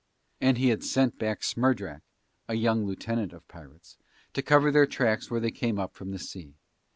And he had sent back Smerdrak (a young lieutenant of pirates) to cover their tracks where they came up from the sea.